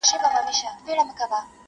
ستا د سترګو سمندر کي لاس و پښې وهم ډوبېږم.